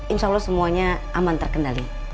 insya allah semuanya aman terkendali